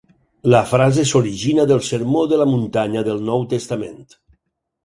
La frase s'origina del sermó de la muntanya del Nou Testament.